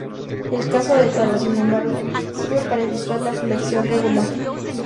El caso de "talo", sin embargo, sirve para ilustrar la flexión regular.